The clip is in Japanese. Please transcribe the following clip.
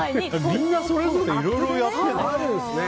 みんなそれぞれいろいろやってるね。